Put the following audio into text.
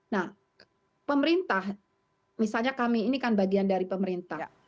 nah pemerintah misalnya kami ini kan bagian dari pemerintah